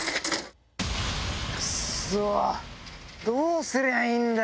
どうすりゃいいんだ？